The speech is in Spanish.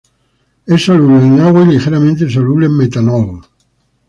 Es soluble en agua y ligeramente soluble en metanol.